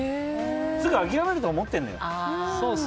すぐ諦めると思ってるのよ。